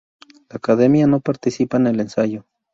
La Academia no participa en el ensayo.